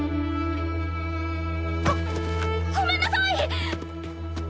ごごめんなさい！